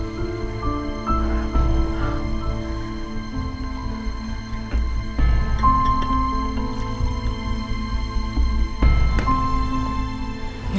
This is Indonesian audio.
aku mau pergi